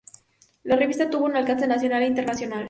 La revista tuvo un alcance nacional e internacional.